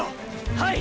はい！！